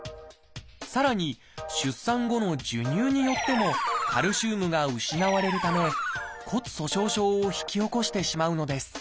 さらに出産後の授乳によってもカルシウムが失われるため骨粗しょう症を引き起こしてしまうのです。